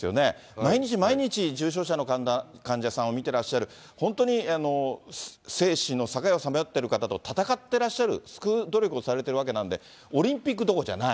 毎日毎日重症者の患者さんを診てらっしゃる、本当に生死の境をさまよっている方と闘ってらっしゃる、救う努力をされてるわけなんで、オリンピックどころじゃない。